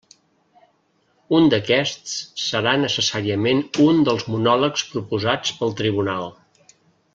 Un d'aquests serà necessàriament un dels monòlegs proposats pel tribunal.